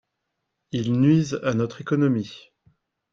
Ils nuisent à notre économie.